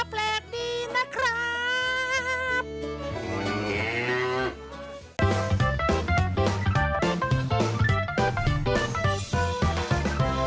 ถ้าเป็นแบบนี้นะฮิปเป๊กขอบอกคำเดียวว่า